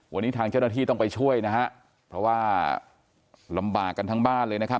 วันนี้ทางเจ้าหน้าที่ต้องไปช่วยนะฮะเพราะว่าลำบากกันทั้งบ้านเลยนะครับ